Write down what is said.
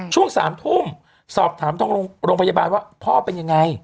ช่วง๓ทุ่มสอบถามทางโรงพยาบาลว่าพ่อเป็นยังไง